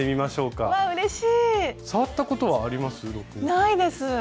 ないです